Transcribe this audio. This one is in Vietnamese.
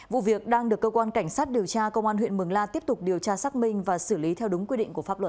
vụ việc đang được cơ quan cảnh sát điều tra công an huyện mường la tiếp tục điều tra xác minh và xử lý theo đúng quy định của pháp luật